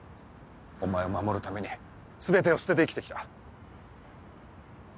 お前を守るために全てを捨てて生きて来た。